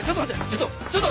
ちょっとちょっと。